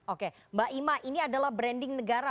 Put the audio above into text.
oke mbak ima ini adalah branding negara